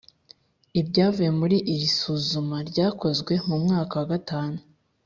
ibyavuye muri iri suzuma ryakozwe mu mwaka wa gatanu